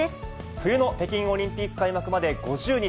冬の北京オリンピック開幕まで５０日。